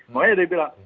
makanya dia bilang